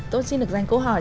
tôi xin được dành câu hỏi